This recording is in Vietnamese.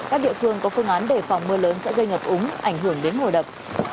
các địa phương có phương án đề phòng mưa lớn sẽ gây ngập úng ảnh hưởng đến hồ đập